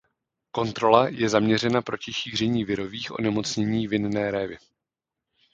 Kontrola je zaměřena proti šíření virových onemocnění vinné révy.